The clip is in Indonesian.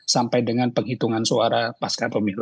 sampai dengan penghitungan suara pasca pemilu